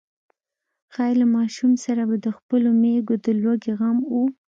ښايي له ماشوم سره به د خپلو مېږو د لوږې غم و.